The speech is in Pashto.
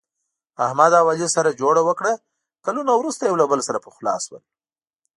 احمد او علي سره جوړه وکړه، کلونه ورسته یو له بل سره پخلا شول.